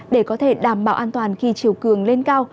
để có thể đảm bảo an toàn khi chiều cường lên cao